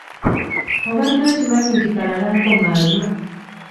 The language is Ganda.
Obadde okimanyi nti kalalankoma aluma?